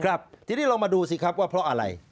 ครับทีนี้เรามาดูสิครับว่าเพราะอะไร